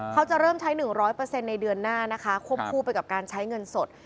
เขาจะเริ่มใช้๑๐๐ในเดือนหน้านะคะควบคู่ไปกับการใช้เงินสด